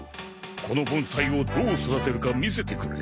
この盆栽をどう育てるか見せてくれ。